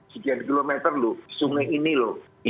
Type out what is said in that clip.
sekian kilometer loh sungai ini loh